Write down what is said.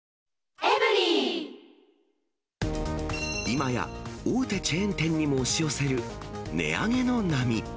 今や、大手チェーン店にも押し寄せる値上げの波。